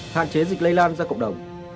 hạn chế dịch lây lan ra cộng đồng